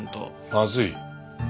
まずい？